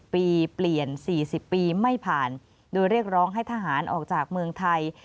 ปีเปลี่ยน๔๐ปีไม่ผ่านโดยเรียกร้องให้ทหารออกจากเมืองไทย